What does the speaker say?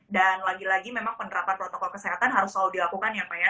dan lagi lagi memang penerapan protokol kesehatan harus selalu dilakukan ya pak ya